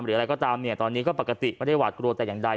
อะไรก็ตามเนี่ยตอนนี้ก็ปกติไม่ได้หวาดกลัวแต่อย่างใด